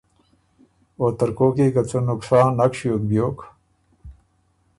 او ترکوک يې که څه نقصان نک ݭیوک بیوک